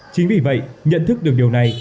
chính vì vậy nhận thức được điều này